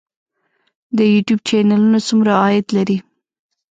د یوټیوب چینلونه څومره عاید لري؟